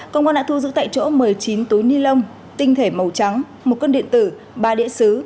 công an đã thu giữ tại chỗ một mươi chín túi ni lông tinh thể màu trắng một cân điện tử ba đĩa xứ